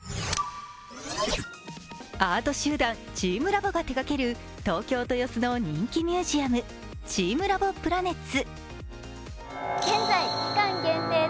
アート集団、チームラボが手掛ける東京・豊洲の人気ミュージアムチームラボプラネッツ。